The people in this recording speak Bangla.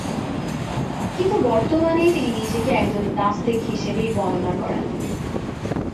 কিন্তু বর্তমানে তিনি নিজেকে একজন নাস্তিক হিসেবেই বর্ণনা করেন।